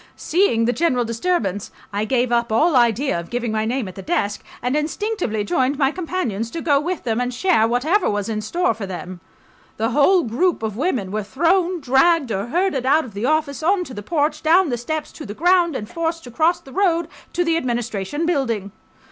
Seeing the general disturbance, I gave up all idea of giving my name at the desk, and instinctively joined my companions, to go with them and share whatever was in store for them. The whole group of women were thrown, dragged or herded out of the office on to the porch, down the steps to the ground, and forced to cross the road ... to the Administration Building.